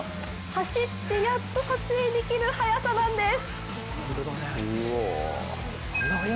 走ってやっと撮影できる速さなんです。